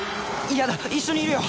嫌だ一緒にいるよ